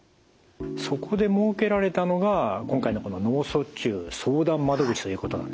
そこで設けられたのが今回のこの脳卒中相談窓口ということなんですね。